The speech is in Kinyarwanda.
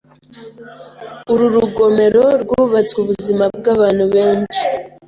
Uru rugomero rwubatswe ubuzima bwabantu benshi.